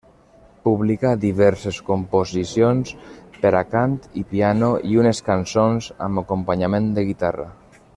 Publicà diverses composicions per a cant i piano i unes cançons amb acompanyament de guitarra.